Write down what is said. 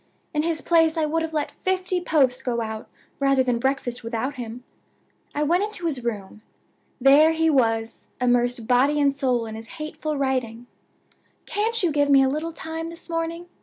In his place I would have let fifty posts go out rather than breakfast without him. I went into his room. There he was, immersed body and soul in his hateful writing! 'Can't you give me a little time this morning?